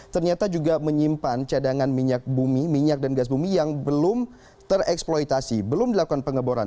ternyata juga menyimpan cadangan minyak bumi minyak dan gas bumi yang belum tereksploitasi belum dilakukan pengeboran